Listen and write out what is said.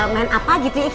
main apa gitu ya